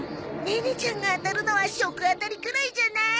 ネネちゃんが当たるのは食あたりくらいじゃない？